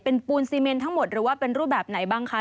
เป็นปูนซีเมนทั้งหมดหรือว่าเป็นรูปแบบไหนบ้างคะ